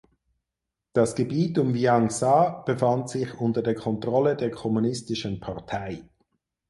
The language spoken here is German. Das Gebiet um Wiang Sa befand sich unter der Kontrolle der Kommunistischen Partei.